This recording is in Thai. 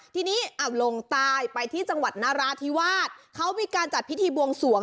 ทีนี้เอาลงใต้ไปที่จังหวัดนราธิวาสเขามีการจัดพิธีบวงสวง